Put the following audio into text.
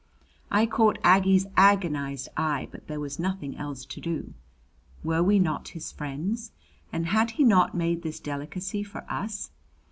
I caught Aggie's agonized eye, but there was nothing else to do. Were we not his friends? And had he not made this delicacy for us?